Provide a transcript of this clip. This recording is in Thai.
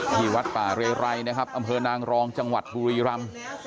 ที่วัดป่าเรไรนะครับอำเภอนางรองจังหวัดบุรีรำ